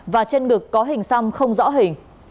và trên ngực có hình xăm không rõ hình